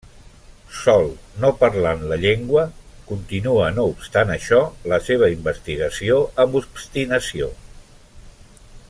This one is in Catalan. Sol, no parlant la llengua, continua no obstant això la seva investigació amb obstinació.